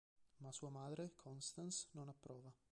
Ma sua madre Constance non approva.